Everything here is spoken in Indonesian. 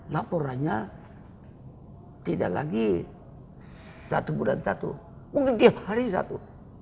laporannya tidak lagi satu bulan satu mungkin tiap hari satu